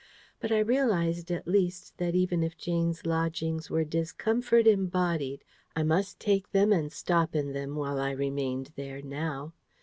But I realised at least that even if Jane's lodgings were discomfort embodied, I must take them and stop in them, while I remained there, now.